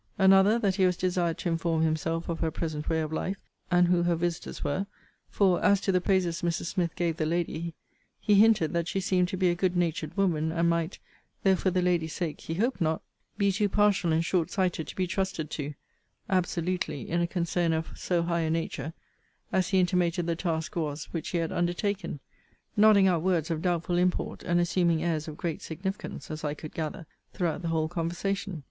] Another, that he was desired to inform himself of her present way of life, and who her visiters were; for, as to the praises Mrs. Smith gave the lady, he hinted, that she seemed to be a good natured woman, and might (though for the lady's sake he hoped not) be too partial and short sighted to be trusted to, absolutely, in a concern of so high a nature as he intimated the task was which he had undertaken; nodding out words of doubtful import, and assuming airs of great significance (as I could gather) throughout the whole conversation.